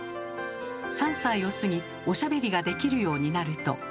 ３歳を過ぎおしゃべりができるようになると。